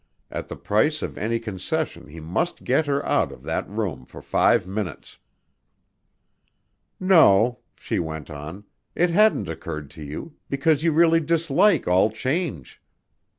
At the price of any concession he must get her out of that room for five minutes! "No," she went on. "It hadn't occurred to you, because you really dislike all change.